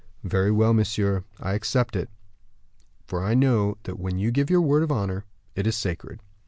"Very well, monsieur, I accept it; for I know that when you give your word of honor, it is sacred."